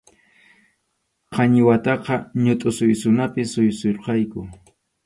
Qañiwataqa ñutʼu suysunapi suysurqayku.